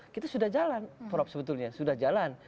kita sudah jalan prof sebetulnya sudah jalan